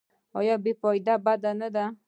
بې فایده بد دی.